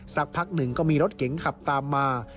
สักพักหนึ่งก็มีรถเก๋งขับตามมา